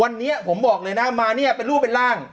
วันนี้ผมบอกเลยนะมาเนี่ยเป็นรูปเป็นร่าง